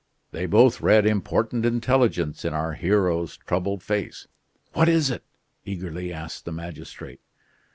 They both read important intelligence in our hero's troubled face. "What is it?" eagerly asked the magistrate.